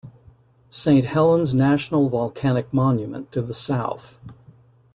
Saint Helens National Volcanic Monument to the south.